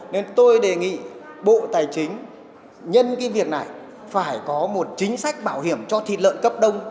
nên tôi đề nghị bộ tài chính nhân cái việc này phải có một chính sách bảo hiểm cho thịt lợn cấp đông